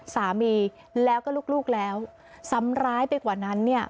สามีแล้วก็ลูกแล้วซ้ำร้ายไปกว่านั้นเนี่ย